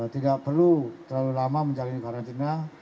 tidak perlu terlalu lama menjalani karantina